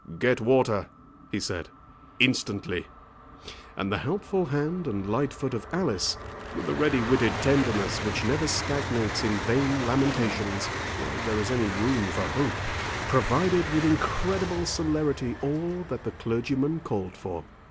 "Get water," he said, "instantly." And the helpful hand and light foot of Alice, with the ready witted tenderness which never stagnates in vain lamentations while there is any room for hope, provided with incredible celerity all that the clergyman called for.